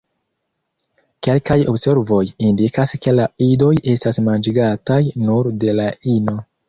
Kelkaj observoj indikas ke la idoj estas manĝigataj nur de la ino.